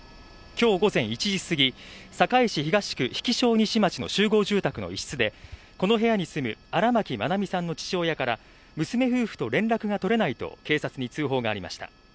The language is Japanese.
今日午前１時すぎ、堺市東区日置荘西町の集合住宅の一室でこの部屋に住む荒牧愛美さんの父親から、娘夫婦と連絡が取れないと警察に通報がありました。